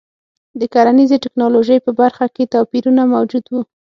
د کرنیزې ټکنالوژۍ په برخه کې توپیرونه موجود وو.